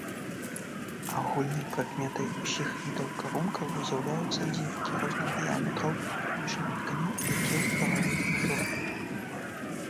Агульнай прыкметай усіх відаў карункаў з'яўляюцца дзіркі розных дыяметраў паміж ніткамі, якія ўтвараюць ўзор.